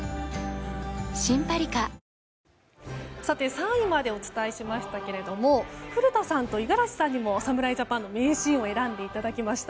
３位までお伝えしましたが古田さんと五十嵐さんにも侍ジャパンの名シーンを選んでいただきました。